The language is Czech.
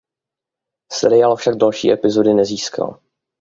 Seriál však další epizody nezískal.